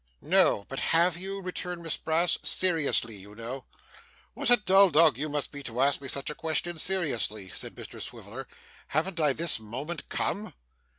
'No, but have you?' returned Miss Brass. 'Seriously, you know.' 'What a dull dog you must be to ask me such a question seriously,' said Mr Swiveller. 'Haven't I this moment come?